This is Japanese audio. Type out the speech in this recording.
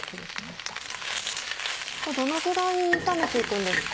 これどのぐらい炒めて行くんですか？